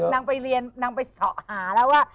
นางไปเรียนนางไปหาแล้วว่า